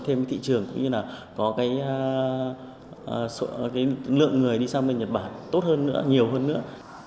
thêm cái thị trường cũng như là có cái lượng người đi sang bên nhật bản tốt hơn nữa nhiều hơn nữa